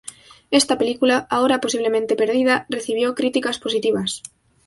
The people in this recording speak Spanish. Esta película, ahora posiblemente perdida, recibió críticas positivas.